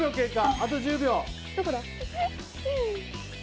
あと１０秒。